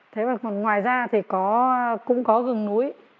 thế còn ngoài ra thì cũng có gừng núi